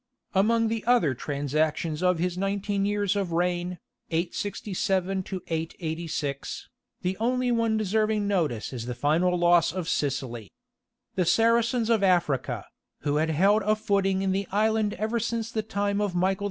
Among the other transactions of his nineteen years of reign [867 886], the only one deserving notice is the final loss of Sicily. The Saracens of Africa, who had held a footing in the island ever since the time of Michael II.